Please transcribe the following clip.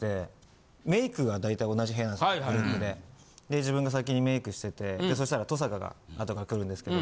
自分が先にメイクしててそしたら登坂が後から来るんですけど。